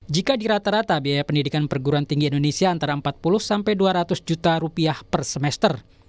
jika di rata rata biaya pendidikan perguruan tinggi indonesia antara empat puluh sampai dua ratus juta rupiah per semester